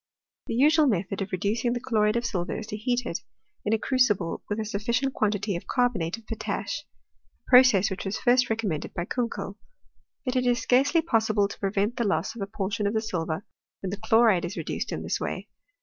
The usual method of reducing the chloride of silver is to heat it in a crucible with a sufficient quantity of carbonate of potash, a process which was first recommended by Kunkel. But it is scarcely possible to prevent the loss of a portion of the silver when the chloride is reduced in this way.